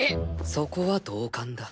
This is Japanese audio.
そこは同感だ。